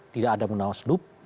tidak ada munasulup